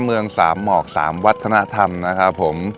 เมืองสามหมอก๓วัฒนธรรมนะครับผม